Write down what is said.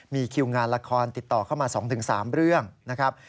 มีคิวงานละครติดต่อเข้ามา๒๓เรื่องนะครับ